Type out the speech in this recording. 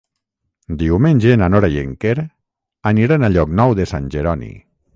Diumenge na Nora i en Quer aniran a Llocnou de Sant Jeroni.